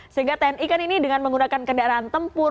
sehingga tni kan ini dengan menggunakan kendaraan tempur